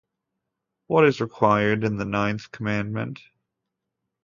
What is required in the ninth commandment?